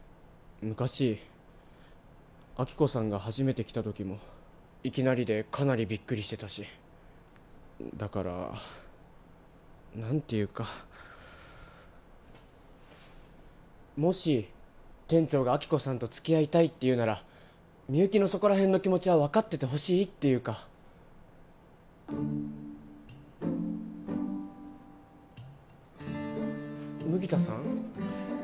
昔亜希子さんが初めて来た時もいきなりでかなりビックリしてたしだから何ていうかもし店長が亜希子さんと付き合いたいっていうならみゆきのそこらへんの気持ちは分かっててほしいっていうか麦田さん？